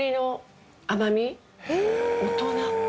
大人。